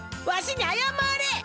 わしにあやまれ！